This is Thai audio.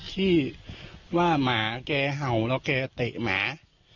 ที่ว่าหมาแกเห่าแล้วแกเตะหมา